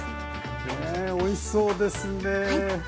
ねえおいしそうですね。